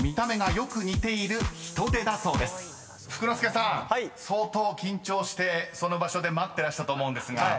［福之助さん相当緊張してその場所で待ってらしたと思うんですが］